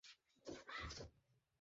সেখানে পাকিস্তানি ব্যাটালিয়ন লুকিয়ে আছে।